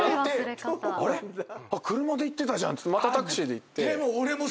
あっ車で行ってたじゃんってまたタクシーで行って。